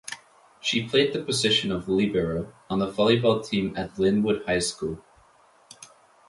She played the position of libero on the volleyball team at Lynnwood High School.